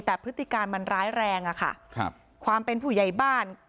แต่พฤติการมันร้ายแรงอะค่ะครับความเป็นผู้ใหญ่บ้าน